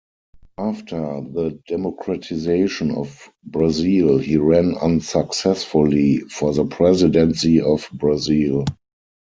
After the democratization of Brazil, he ran unsuccessfully for the presidency of Brazil.